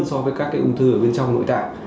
so với các cái ung thư ở bên trong nội tại